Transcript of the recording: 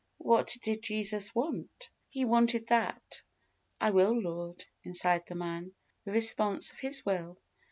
What did Jesus want? He wanted that, "I will, Lord," inside the man the response of his will.